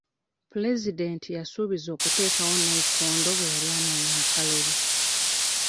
Pulezidenti yasuubiza okuteekawo nnayikondo bwe yali anoonya akalulu.